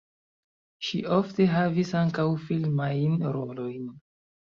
Ŝi ofte havis ankaŭ filmajn rolojn.